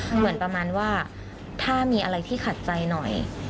เหมือนประมาณว่าถ้ามีอะไรที่ขัดใจหน่อย